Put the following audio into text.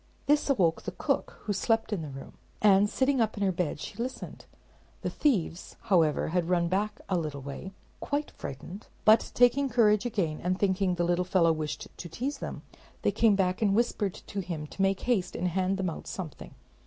This awoke the cook, who slept in the room, and sitting up in her bed she listened. The thieves, however, had run back a little way, quite frightened; but taking courage again, and thinking the little fellow wished to tease them, they came and whispered to him to make haste and hand them out something.